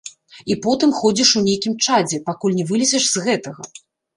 І потым ходзіш у нейкім чадзе, пакуль не вылезеш з гэтага.